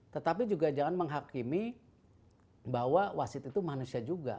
tetapi juga jangan menghakimi bahwa wasit itu manusia juga